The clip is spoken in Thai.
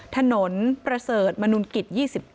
ถนนประเสริฐมนุนกิจ๒๙